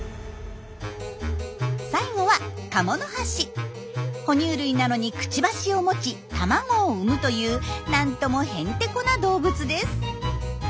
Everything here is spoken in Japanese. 最後はほ乳類なのにクチバシを持ち卵を産むというなんともヘンテコな動物です。